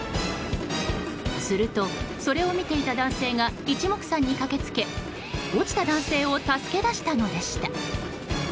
すると、それを見ていた男性が一目散に駆け付け落ちた男性を助け出したのでした。